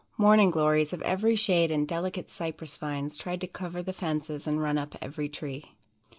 Morning Glories of every shade and delicate Cypress vines tried to cover the fences and run up every tree.